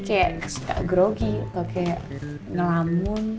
kayak suka grogi atau kayak ngelamun